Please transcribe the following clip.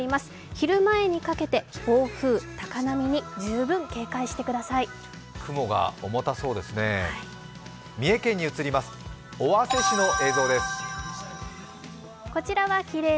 昼前にかけて暴風、高波に十分警戒してください。